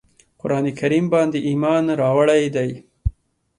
قرآن کریم باندي ایمان راوړی دی.